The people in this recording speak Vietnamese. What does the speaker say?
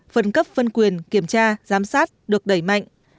phân cấp phân quyền kiểm tra giám sát được đẩy mạnh